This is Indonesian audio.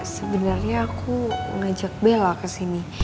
sebenernya aku ngajak bella kesini